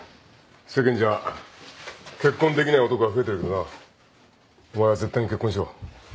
世間じゃ結婚できない男が増えてるけどなお前は絶対に結婚しろ。